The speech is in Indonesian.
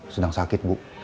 sedang sakit bu